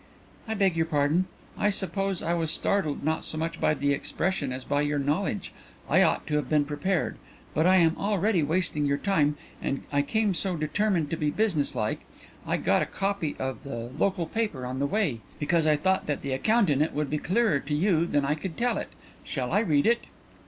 '" "I beg your pardon. I suppose I was startled not so much by the expression as by your knowledge. I ought to have been prepared. But I am already wasting your time and I came so determined to be business like. I got a copy of the local paper on the way, because I thought that the account in it would be clearer to you than I could tell it. Shall I read it?"